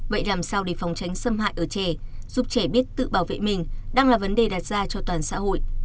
vậy làm sao để phòng tránh xâm hại ở trẻ giúp trẻ biết tự bảo vệ mình đang là vấn đề đặt ra cho toàn xã hội